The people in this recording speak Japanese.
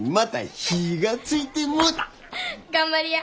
頑張りや。